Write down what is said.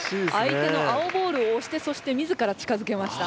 相手の青ボールを押してそしてみずから近づけました。